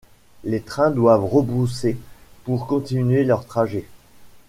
Les trains doivent rebrousser pour continuer leur trajet.